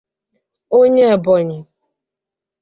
onye Ebonyi